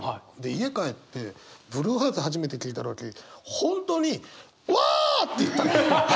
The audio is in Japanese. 家帰ってブルーハーツ初めて聴いた時本当に「わあぁぁ！」って言ったもん。